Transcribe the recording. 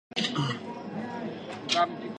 بەڵام ئەشەدەمبیللا هیچ وەک خۆم نەدەچوو